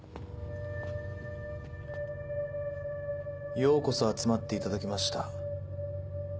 ようこそ集まっていただきました。